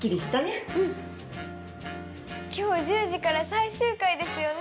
今日１０時から最終回ですよね？